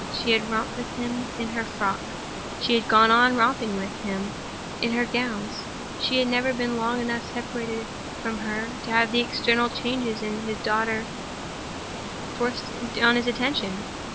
She had romped with him in her frocks, she had gone on romping with him in her gowns. He had never been long enough separated from her to have the external changes in his daughter forced on his attention.